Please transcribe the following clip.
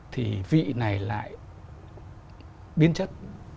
thì vị này lại biến chất